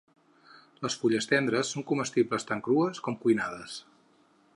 Les fulles tendres són comestibles tant crues com cuinades.